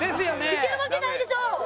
いけるわけないでしょ！